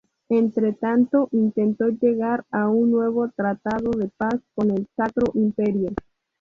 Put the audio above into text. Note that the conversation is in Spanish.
Entretanto, intentó llegar a un nuevo tratado de paz con el Sacro Imperio.